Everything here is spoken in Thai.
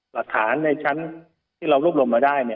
หลักฐานในชั้นที่เรารวบรวมมาได้